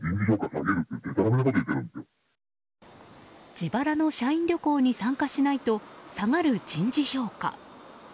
自腹の社員旅行に参加しないと下がる人事評価。